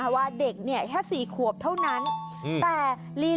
ว่าเวลาว่ายังมากก็ยังดี